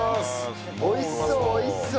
おいしそうおいしそう！